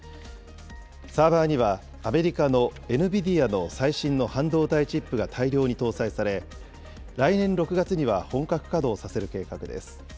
サーバーにはアメリカのエヌビディアの最新の半導体チップが大量に搭載され、来年６月には本格稼働させる計画です。